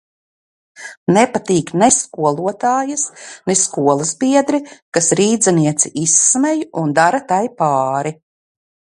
Nepatīk ne skolotājas, ne skolas biedri, kas rīdzinieci izsmej un dara tai pāri.